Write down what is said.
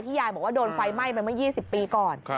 ยายบอกว่าโดนไฟไหม้ไปเมื่อ๒๐ปีก่อน